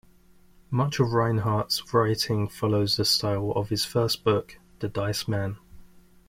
Much of Rhinehart's writing follows the styles of his first book, "The Dice Man".